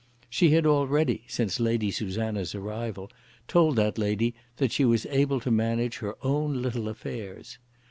She had already, since Lady Susanna's arrival, told that lady that she was able to manage her own little affairs.